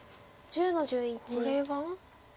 これは？